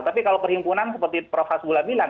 tapi kalau perhimpunan seperti prof bulabilan